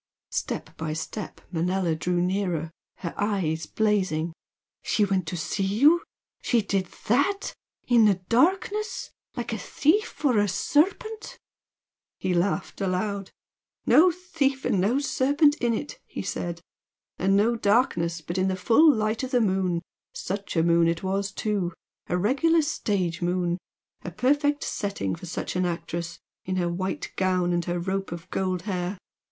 Step by step Manella drew nearer, her eyes blazing. "She went to see you? She did THAT! In the darkness? like a thief or a serpent!" He laughed aloud. "No thief and no serpent in it!" he said "And no darkness, but in the full light of the moon! Such a moon it was, too! A regular stage moon! A perfect setting for such an actress, in her white gown and her rope of gold hair!